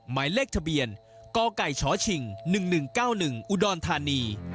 หมายเลขทะเบียนกไก่ชชิง๑๑๙๑อุดรธานี